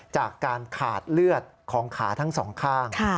จากการขาดเลือดของขาทั้งสองข้าง